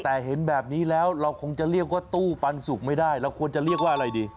แต่เห็นแบบนี้แล้วเราคงจะเรียกว่าตู้ปันสุกไม่ได้เราควรจะเรียกว่าอะไรดี